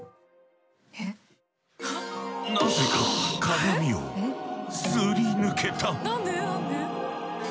なぜか鏡をすり抜けた。